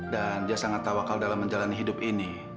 dan dia sangat tawakal dalam menjalani hidup ini